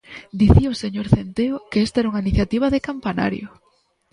Dicía o señor Centeo que esta era unha iniciativa de campanario.